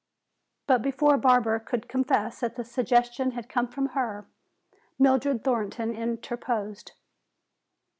But before Barbara could confess that the suggestion had come from her, Mildred Thornton interposed.